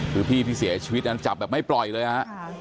คือพี่ที่เสียชีวิตนั้นจับแบบไม่ปล่อยเลยฮะ